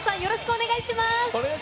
お願いします！